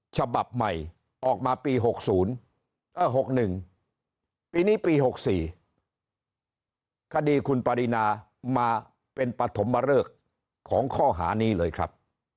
ฉบับใหม่ออกมาปี๖๐๖๑ปีนี้ปี๖๔คดีคุณปรินามาเป็นปฐมเริกของข้อหานี้เลยครับ